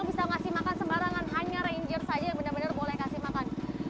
bisa ngasih makan sembarangan hanya ranger saja yang benar benar boleh kasih makan